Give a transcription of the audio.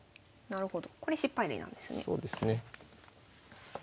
なるほど。